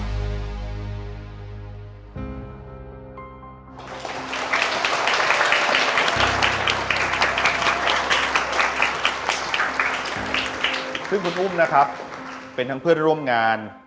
ซึ่งคุณอุ้มนะครับเป็นทั้งเพื่อนร่วมงาน